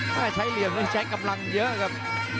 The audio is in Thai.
ไม่ใช้เหลี่ยมใช้กำลังเยอะครับ